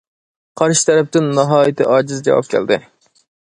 قارشى تەرەپتىن ناھايىتى ئاجىز جاۋاب كەلدى.